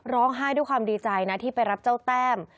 ด้วยความดีใจนะที่ไปรับเจ้าแต้ม